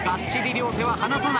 両手は離さない。